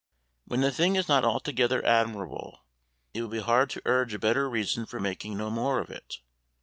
When the thing is not altogether admirable, it would be hard to urge a better reason for making no more of it.